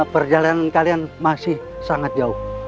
perjalanan kalian masih sangat jauh